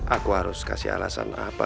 aku harus kasih alasan apa